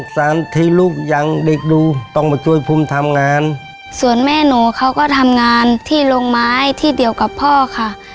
ส่วนแม่โหนก็ทำงานที่โรงไม้ที่เดียวกับพ่อคะ